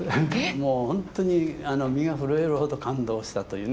もうホントに身が震えるほど感動したというね。